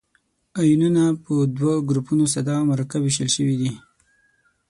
آیونونه په دوه ګروپو ساده او مرکب ویشل شوي دي.